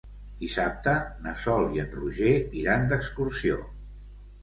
Dissabte na Sol i en Roger iran d'excursió.